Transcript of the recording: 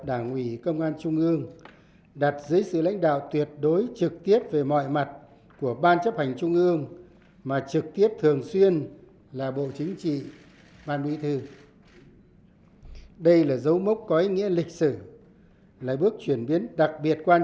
đồng chí trung ương đã đặt đồng chí đảng cộng sản việt nam